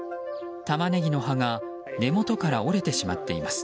タマネギの葉が根元から折れてしまっています。